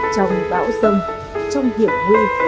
trong bão sông trong hiểm nguy